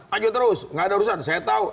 maju terus gak ada urusan saya tahu